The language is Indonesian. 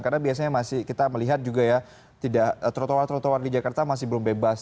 karena biasanya kita melihat juga ya trotoar trotoar di jakarta masih belum bebas